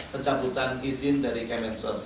pencabutan izin dari kementsource